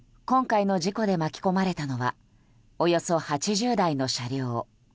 今回の事故で巻き込まれたのはおよそ８０台の車両。